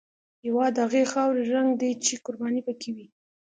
هېواد د هغې خاورې رنګ دی چې قرباني پکې وي.